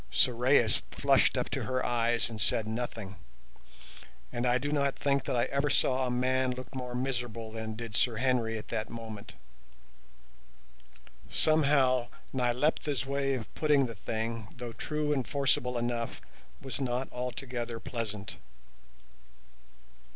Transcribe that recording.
Sorais flushed up to her eyes and said nothing, and I do not think that I ever saw a man look more miserable than did Sir Henry at that moment. Somehow, Nyleptha's way of putting the thing, though true and forcible enough, was not altogether pleasant.